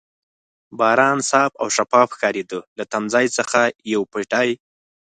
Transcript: باران صاف او شفاف ښکارېده، له تمځای څخه یو پېټی.